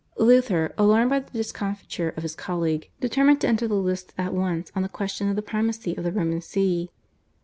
Luther, alarmed by the discomfiture of his colleague, determined to enter the lists at once on the question of the primacy of the Roman See.